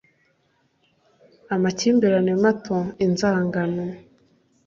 amakimbirane mato, inzangano